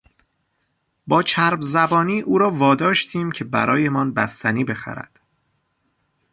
با چرب زبانی او را واداشتیم که برایمان بستنی بخرد.